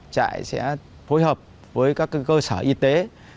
trại sẽ phối hợp với các cơ sở y tế